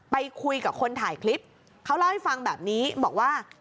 ไปคุยกับคนถ่ายคลิปเขาเล่าให้ฟังแบบนี้บอกว่า